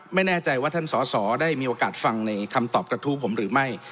ไม่แน่ใจว่าท่านสอสอได้มีโอกาสฟังในคำตอบกระทู้ผมหรือไม่